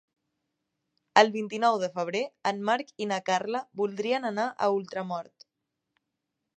El vint-i-nou de febrer en Marc i na Carla voldrien anar a Ultramort.